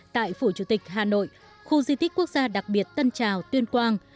tại phủ chủ tịch hà nội khu di tích quốc gia đặc biệt tân trào tuyên quang